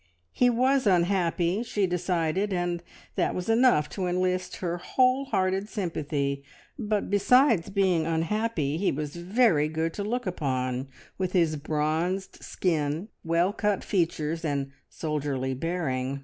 He was unhappy, she decided, and that was enough to enlist her whole hearted sympathy; but besides being unhappy, he was very good to look upon, with his bronzed skin, well cut features, and soldierly bearing.